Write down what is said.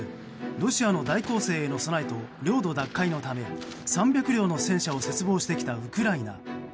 ロシアの大攻勢への備えと領土奪回のため３００両の戦車を切望してきたウクライナ。